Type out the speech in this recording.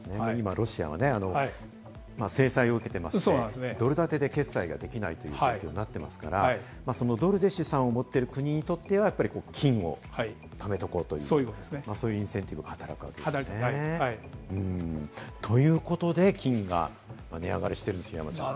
ロシアは今、制裁を受けていますから、ドルだてで決済ができないということになっていますから、ドルで資産を持っている国にとっては金を貯めておこうという、そういうインセンティブが働くんですね。ということで、金が値上がりしてるんですよ、山ちゃん。